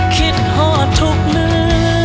คิดหอดทุกมือ